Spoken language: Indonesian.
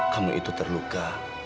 kamu itu terluka